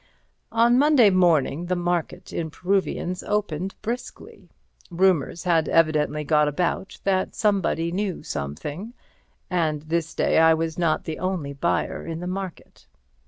On Monday morning the market in Peruvians opened briskly. Rumours had evidently got about that somebody knew something, and this day I was not the only buyer in the market.